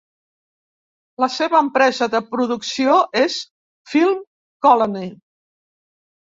La seva empresa de producció és FilmColony.